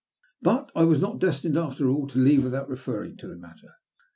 But I was not destined after all to leave without referring to the matter.